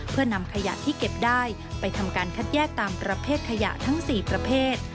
เพื่อนำขยะที่เก็บได้ไปทำการคัดแยกตามประเภทขยะทั้ง๔ประเภท